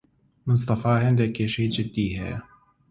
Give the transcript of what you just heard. مستەفا هەندێک کێشەی جددی هەیە.